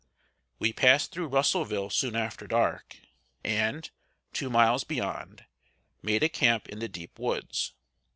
We passed through Russelville soon after dark, and, two miles beyond, made a camp in the deep woods.